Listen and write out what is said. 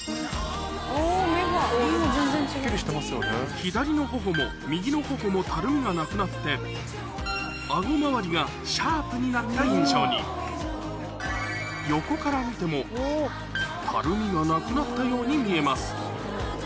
左の頬も右の頬もたるみがなくなってあご周りがシャープになった印象に横から見てもたるみがなくなったように見えます